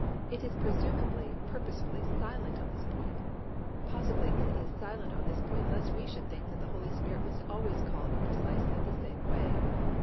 It is presumably purposely silent on this point. Possibly it is silent on this point lest we should think that the Holy Spirit must always call in precisely the same way.